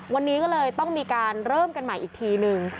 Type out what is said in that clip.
วันนี้ก็เลยต้องมีการเริ่มกันใหม่อีกทีนึง